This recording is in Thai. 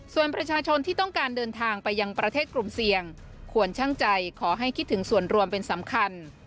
ส่วนประชาชนที่ต้องการเดินทางไปยังประเทศกลุ่มเสี่ยงควรช่างใจขอให้คิดถึงส่วนรวมเป็นสำคัญ